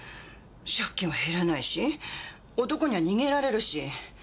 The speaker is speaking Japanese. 借金は減らないし男には逃げられるし。